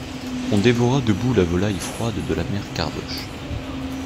On dévora debout la volaille froide de la mère Cardoche.